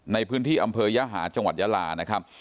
ในพื้นที่อำเภอยหาจังหวัดยาลานะครับ